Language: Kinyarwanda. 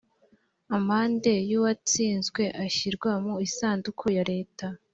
amande y’uwatsinzwe ashyirwa mu isanduku ya leta